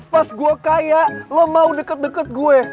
pas gue kaya lo mau deket deket gue